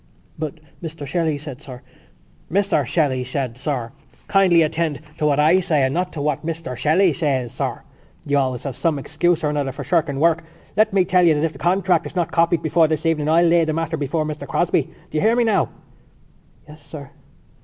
"But Mr Shelley said, sir——" "Mr Shelley said, sir.... Kindly attend to what I say and not to what Mr Shelley says, sir. You have always some excuse or another for shirking work. Let me tell you that if the contract is not copied before this evening I'll lay the matter before Mr Crosbie.... Do you hear me now?" "Yes, sir."